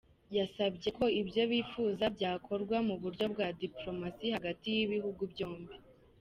Yasabye ko ibyo bifuza byakorwa mu buryo bwa dipolomasi hagati y’ibihugu byombi.